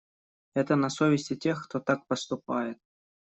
Это на совести тех, кто так поступает.